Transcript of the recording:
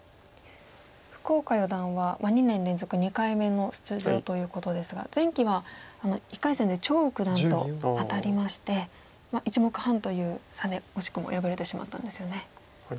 福岡四段は２年連続２回目の出場ということですが前期は１回戦で張栩九段と当たりまして１目半という差で惜しくも敗れてしまったんですよね。